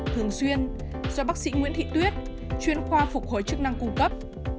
thường xuyên do bác sĩ nguyễn thị tuyết chuyên khoa phục hồi chức năng cung cấp